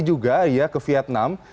juga ya ke vietnam